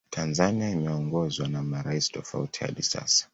Tanzania imeongozwa na maraisi tofauti hadi sasa